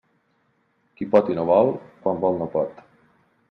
Qui pot i no vol, quan vol no pot.